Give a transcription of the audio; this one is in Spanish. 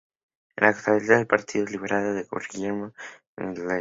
En la actualidad, el partido es liderado por Guillermo Nguema Ela.